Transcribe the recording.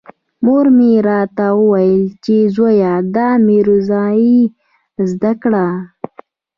مور مې راته ويل چې زويه دا ميرزايي زده کړه.